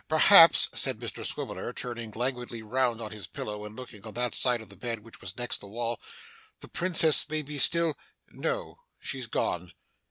Perhaps,' said Mr Swiveller, turning languidly round on his pillow, and looking on that side of his bed which was next the wall, 'the Princess may be still No, she's gone.